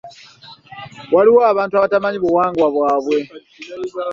Waliwo abantu abatamanyi buwangwa bwabwe.